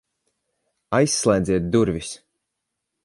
Aizslēdziet durvis!